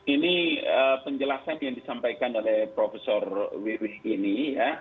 ini penjelasan yang disampaikan oleh profesor wiwi ini ya